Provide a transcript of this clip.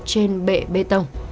trên bệ bê tông